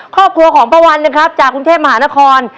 เป็นของภาวัลนะครับจากหุ้นเทศมหานคร